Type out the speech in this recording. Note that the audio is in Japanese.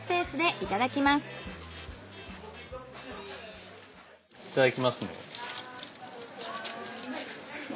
いただきますね。